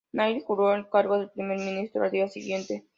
Najib juró el cargo de primer ministro al día siguiente.